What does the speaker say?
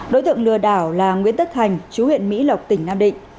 đối tượng lừa đảo là nguyễn tất thành chú huyện mỹ lộc tỉnh nam định